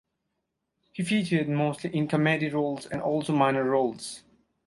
He featured mostly in comedy roles and also minor roles.